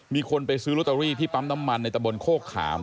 มีคนไปซื้อลอตเตอรี่ที่ปั๊มน้ำมันในตะบนโคกขาม